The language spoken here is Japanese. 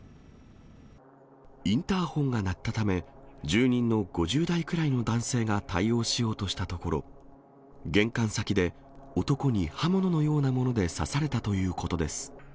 インターホンが鳴ったため、住人の５０代くらいの男性が対応しようとしたところ、玄関先で男に刃物のようなもので刺されたということです。